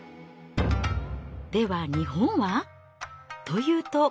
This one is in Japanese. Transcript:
では日本は？というと。